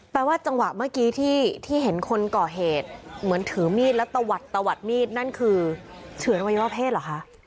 แปลว่าจังหวะเมื่อกี้ที่เห็นคนก่อเหตุเหมือนถือมีดแล้วตะวัดตะวัดมีดนั่นคือเฉือนอวัยวะเพศเหรอคะ